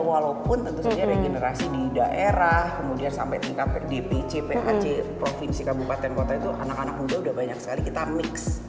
walaupun tentu saja ada generasi di daerah kemudian sampai tkp dpc phc provinsi kabupaten kota itu anak anak muda udah banyak sekali kita mix